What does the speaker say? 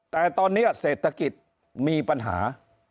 แต่ตอนนี้เศรษฐกิจมีปัญหา